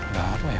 gak apa ya